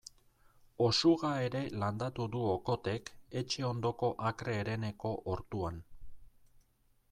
Osuga ere landatu du Okothek etxe ondoko akre hereneko ortuan.